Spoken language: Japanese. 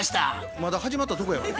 まだ始まったとこやがな。